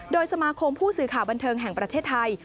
โดยสมาคมผู้สื่อข่าวบันเทิงแห่งประเทศไทย